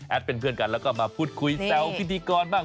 เป็นเพื่อนกันแล้วก็มาพูดคุยแซวพิธีกรบ้าง